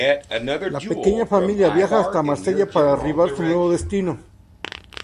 La pequeña familia viaja hasta Marsella para arribar su nuevo destino.